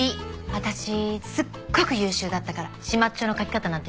私すっごく優秀だったから始末書の書き方なんて知らないもん。